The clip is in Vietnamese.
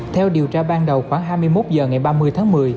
theo điều tra ban đầu khoảng hai mươi một h ngày ba mươi tháng một mươi